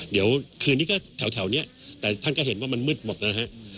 เดี๋ยวคืนนี้ก็แถวนี้แต่ท่านก็เห็นว่ามันมืดหมดนะฮะ